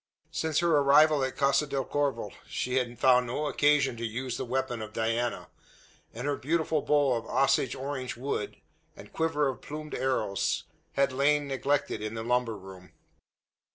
Since her arrival at Casa del Corvo she had found no occasion to use the weapon of Diana; and her beautiful bow of Osage orange wood, and quiver of plumed arrows, had lain neglected in the lumber room.